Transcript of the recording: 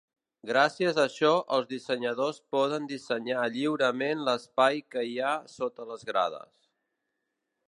Gràcies a això els dissenyadors poden dissenyar lliurement l'espai que hi ha sota les grades.